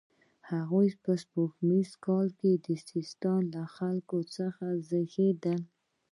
هغه په سپوږمیز کال کې د سیستان له خلکو څخه زیږېدلی.